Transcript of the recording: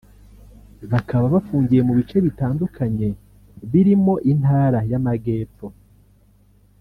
bakaba bafungiye mu bice bitandukanye birimo Intara y’Amagepfo